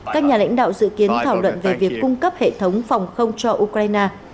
các nhà lãnh đạo dự kiến thảo luận về việc cung cấp hệ thống phòng không cho ukraine